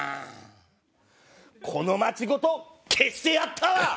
この街ごと消してやったわ！